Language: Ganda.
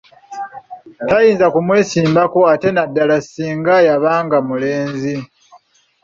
Tayinza kumwesimbako ate naddala ssinga yabanga mulenzi.